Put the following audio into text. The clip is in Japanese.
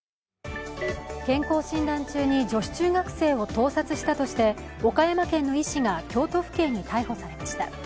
健康診断中に女子中学生を盗撮したとして岡山県の医師が京都府警に逮捕されました。